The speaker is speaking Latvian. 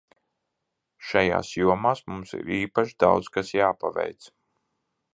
Šajās jomās mums ir īpaši daudz kas jāpaveic.